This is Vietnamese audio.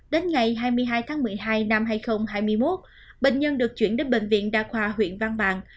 đến ngày hai mươi hai tháng một mươi hai năm hai nghìn hai mươi một bệnh nhân được chuyển đến bệnh viện đa khoa huyện văn bàn